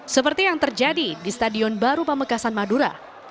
seperti yang terjadi di stadion baru pamekasan madura